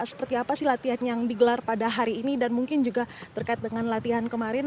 seperti apa sih latihan yang digelar pada hari ini dan mungkin juga terkait dengan latihan kemarin